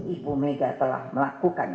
ibu mega telah melakukan